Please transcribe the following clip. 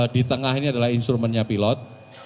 di tengah ini adalah instrumennya pilot